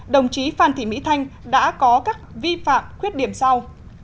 đồng chí phan thị mỹ thanh đã có các vi phạm khuyết điểm sau